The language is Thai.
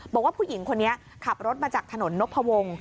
บอกว่าผู้หญิงคนนี้ขับรถมาจากถนนนพวง